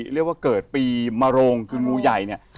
เรียกว่าเกิดปีมโรงคืองูใหญ่เนี่ย